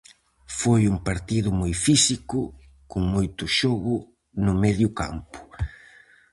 Foi un partido moi físico, con moito xogo no medio campo.